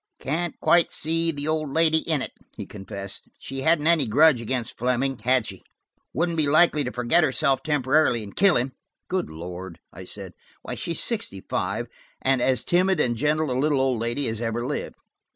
"I can't quite see the old lady in it," he confessed. "She hadn't any grudge against Fleming, had she? Wouldn't be likely to forget herself temporarily and kill him?" "Good Lord!" I said. "Why, she's sixty five, and as timid and gentle a little old lady as ever lived."